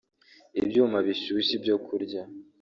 ibyuma bishyushya ibyo kurya